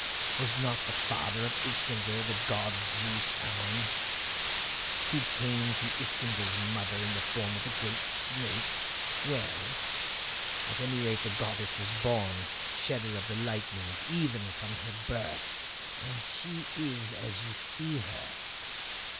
Was not the father of Iskander the god Zeus Ammon, who came to Iskander's mother in the form of a great snake? Well? At any rate the goddess was born shedder of the lightnings even from her birth. And she is as you see her.